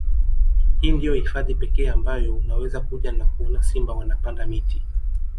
Hii ndiyo hifadhi pekee ambayo unaweza kuja na kuona simba wanapanda miti